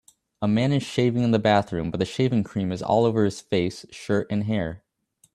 A man is shaving in a bathroom but the shaving cream is all over his face shirt and hair